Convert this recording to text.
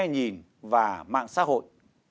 nhìn và mạng xã hội